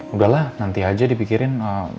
udahlah nanti aja dipikirin